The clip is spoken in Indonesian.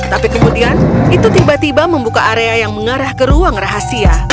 tapi kemudian itu tiba tiba membuka area yang mengarah ke ruang rahasia